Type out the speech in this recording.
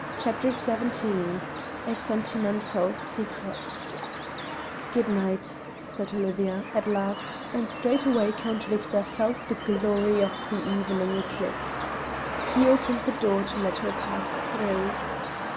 CHAPTER XVII A SENTIMENTAL SECRET "Good night," said Olivia, at last, and straightway Count Victor felt the glory of the evening eclipse. He opened the door to let her pass through.